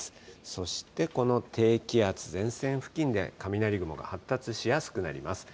そしてこの低気圧、前線付近で、雷雲が発達しやすくなります。